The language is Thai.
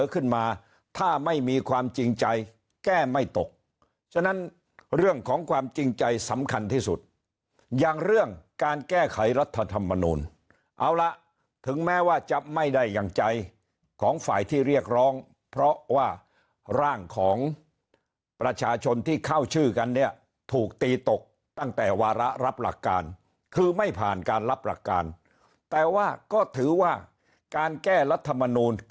ขึ้นมาถ้าไม่มีความจริงใจแก้ไม่ตกฉะนั้นเรื่องของความจริงใจสำคัญที่สุดอย่างเรื่องการแก้ไขรัฐธรรมนูลเอาละถึงแม้ว่าจะไม่ได้อย่างใจของฝ่ายที่เรียกร้องเพราะว่าร่างของประชาชนที่เข้าชื่อกันเนี่ยถูกตีตกตั้งแต่วาระรับหลักการคือไม่ผ่านการรับหลักการแต่ว่าก็ถือว่าการแก้รัฐมนูล